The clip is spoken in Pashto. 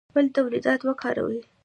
خپل تولیدات وکاروئ